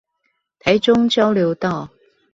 台中交流道